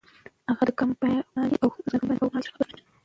هغه د کمپانۍ او مهاراجا خبره مني.